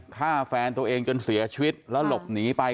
ฆ่าแฟนตัวเองจนเสียชีวิตแล้วหลบหนีไป